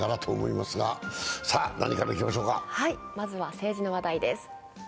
まずは政治の話題です。